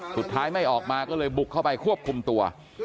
สุดท้ายไม่ออกมาก็เลยบุกเข้าไปควบคุมตัว